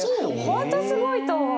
本当すごいと思う。